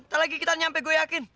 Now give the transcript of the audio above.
tak lagi kita nyampe gue yakin